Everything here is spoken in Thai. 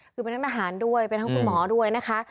อยู่เป็นนักหน้าหารด้วยเป็นทางคุณหมอด้วยนะคะ